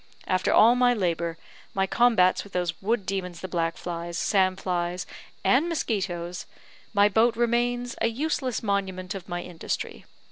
After all my labour, my combats with those wood demons the black flies, sand flies, and mosquitoes, my boat remains a useless monument of my industry.